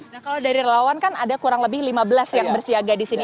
nah kalau dari relawan kan ada kurang lebih lima belas yang bersiaga di sini